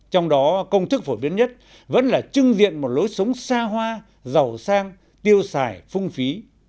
trong đó công thức phổ biến nhất vẫn là trưng diện một lối sống xa hoa giàu sang tiêu xài phung phí